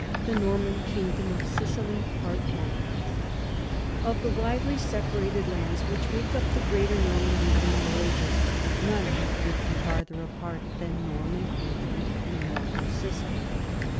VIII THE NORMAN KINGDOM OF SICILY OF the widely separated lands which made up the greater Normandy of the Middle Ages, none have drifted farther apart than Norman England and Norman Sicily.